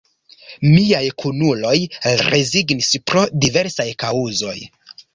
Miaj kunuloj rezignis pro diversaj kaŭzoj.